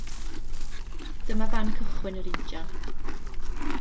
Dyma fan cychwyn yr injan.